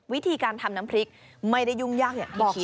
วิธีการทำน้ำพริกไม่ได้ยุ่งยากอย่างบอกเลย